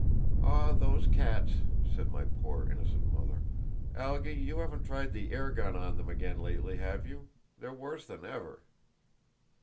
"Ah, those cats!" said my poor innocent mother. "Algy, you haven't tried the air gun on them again lately, have you? They're worse than ever."